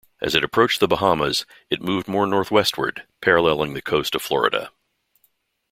As it approached the Bahamas, it moved more northwestward, paralleling the coast of Florida.